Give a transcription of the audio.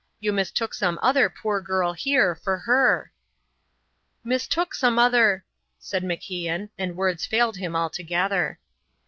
You mistook some other poor girl here for her." "Mistook some other " said MacIan, and words failed him altogether.